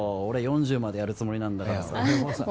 俺４０までやるつもりなんだから俺もさ